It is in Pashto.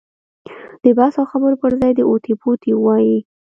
د بحث او خبرو پر ځای دې اوتې بوتې ووایي.